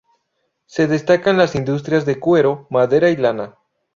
Se destacan las industrias de cuero, madera y lana.